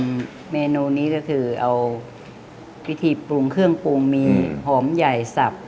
เมนูนี้ก็คือเอาพิธีปรุงเครื่องปรุงมีหอมใหญ่สับ